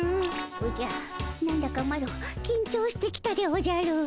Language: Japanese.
おじゃ何だかマロきんちょうしてきたでおじゃる。